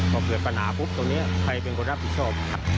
พอเกิดปัญหาปุ๊บตรงนี้ใครเป็นคนรับผิดชอบครับ